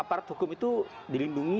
aparat hukum itu dilindungi